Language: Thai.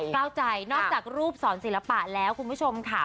ก้าวใจนอกจากรูปสอนศิลปะแล้วคุณผู้ชมค่ะ